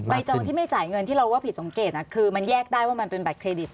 จองที่ไม่จ่ายเงินที่เราว่าผิดสังเกตคือมันแยกได้ว่ามันเป็นบัตรเครดิต